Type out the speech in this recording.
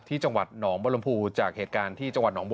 ที่จังหวัดหนองบรมภูจากเหตุการณ์ที่จังหวัดหนองบัว